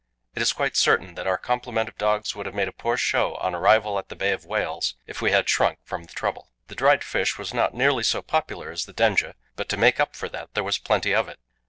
It is quite certain that our complement of dogs would have made a poor show on arrival at the Bay of Whales if we had shrunk from the trouble. The dried fish was not nearly so popular as the dænge, but to make up for that there was plenty of it.